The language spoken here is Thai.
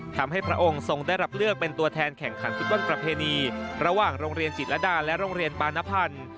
พระองค์ทรงได้รับเลือกเป็นตัวแทนแข่งขันฟุตบอลประเพณีระหว่างโรงเรียนจิตรดาและโรงเรียนปานพันธ์